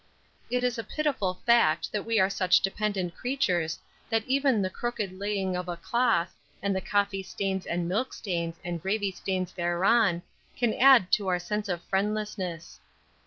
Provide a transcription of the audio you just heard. It is a pitiful fact that we are such dependent creatures that even the crooked laying of a cloth, and the coffee stains and milk stains and gravy stains thereon, can add to our sense of friendlessness.